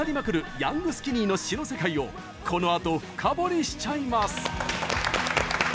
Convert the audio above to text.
ヤングスキニーの詞の世界をこのあと深掘りしちゃいます。